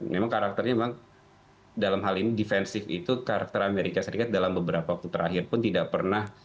memang karakternya memang dalam hal ini defensive itu karakter amerika serikat dalam beberapa waktu terakhir pun tidak pernah